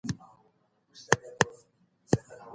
دوی د تولید لپاره نوې سرچینې لټوي.